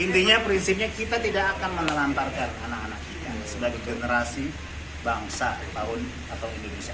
intinya prinsipnya kita tidak akan menelantarkan anak anak kita sebagai generasi bangsa tahun atau indonesia